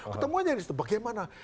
ketemunya di situ bagaimana